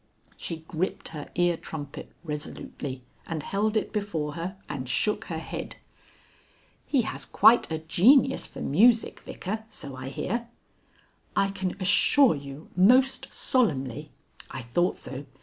She gripped her ear trumpet resolutely, and held it before her and shook her head. "He has quite a genius for music, Vicar, so I hear?" "I can assure you most solemnly " "I thought so.